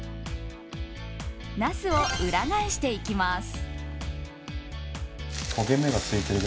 ナスを裏返していきます。